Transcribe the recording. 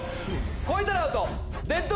超えたらアウト！